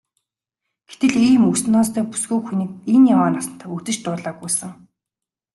Гэтэл ийм үс ноостой бүсгүй хүнийг энэ яваа насандаа үзэж дуулаагүй сэн.